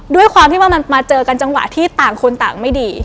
ด้วยความที่ว่ามันมาเจอกันจังหวะที่ต่างคนต่างไม่ดี